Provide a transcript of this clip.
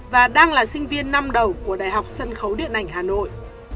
và đang là sinh viên năm đầu của đại học sân khấu điện ảnh hà nội